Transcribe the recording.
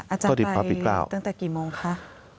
อาจารย์ไปตั้งแต่กี่โมงคะ